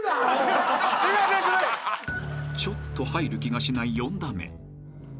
［ちょっと入る気がしない４打目］